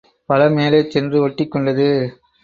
பழம் மேலே சென்று ஒட்டிக் கொண்டது.